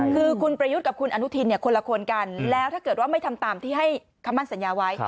คือคุณประยุทธ์กับคุณอนุทินคนละคนกันแล้วถ้าเกิดว่าไม่ทำตามที่ให้คำมั่นสัญญาไว้